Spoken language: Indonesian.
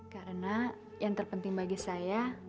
karena yang terpenting bagi saya